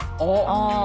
ああ。